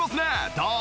どう？